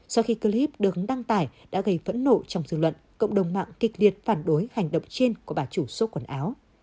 sau khi clip được đăng tải đã gây phẫn nộ trong dư luận cộng đồng mạng kịch liệt phản đối hành động trên của bà chủ số quần áo